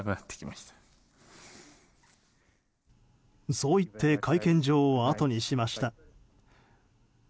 そう言って会見場をあとにしました。